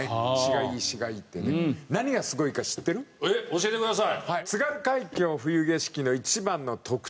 教えてください。